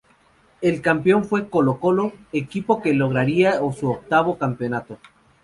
El campeón fue Colo-Colo, equipo que lograría su octavo campeonato.